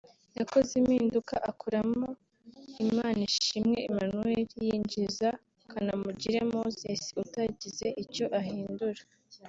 yakoze impinduka akuramo Imanishimwe Emmanuel yinjiza Kanamugire Moses utagize icyo ahindura